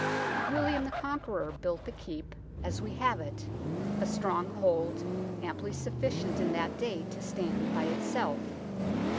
William the Conqueror built the Keep as we have it, a stronghold amply sufficient in that day to stand by itself.